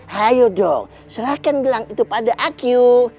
hayo dong silahkan bilang itu pada aqu